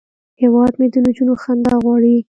هیواد مې د نجونو خندا غواړي